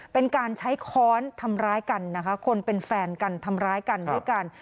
เป็นการใช้ค้อนทำร้ายกันนะคะคนเป็นแฟนกันทำร้ายกันด้วยกัน